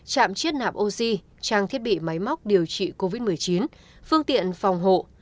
chạm chiết nạp oxy trang thiết bị máy móc điều trị covid một mươi chín phương tiện phòng hộ